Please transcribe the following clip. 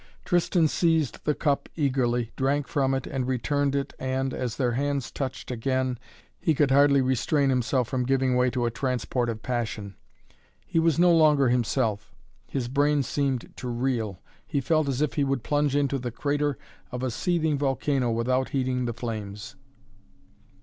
Tristan seized the cup eagerly, drank from it and returned it and, as their hands touched again, he could hardly restrain himself from giving way to a transport of passion. He was no longer himself. His brain seemed to reel. He felt as if he would plunge into the crater of a seething volcano without heeding the flames.